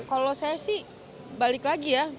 kalau saya sih balik lagi ya